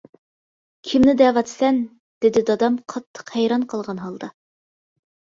-كىمنى دەۋاتىسەن؟ -دېدى دادام قاتتىق ھەيران قالغان ھالدا.